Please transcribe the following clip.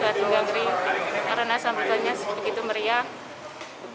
karena sambutannya begitu meriah